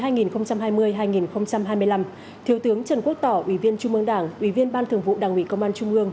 nhiệm kỳ hai nghìn hai mươi hai nghìn hai mươi năm thiếu tướng trần quốc tỏ ủy viên trung ương đảng ủy viên ban thường vụ đảng ủy công an trung ương